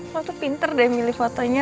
aku tuh pinter deh milih fotonya